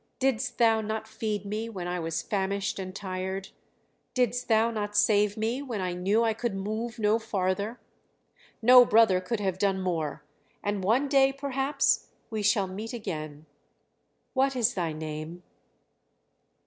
Didst thou not feed me when I was famished and tired? Didst thou not save me when I knew I could move no farther? No brother could have done more; and one day, perhaps, we shall meet again. What is thy name?"